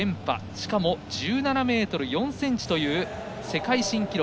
しかも１７ｍ４ｃｍという世界新記録。